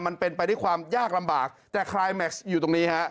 มันเป็นไปด้วยความยากลำบากแต่คลายแม็กซ์อยู่ตรงนี้ฮะ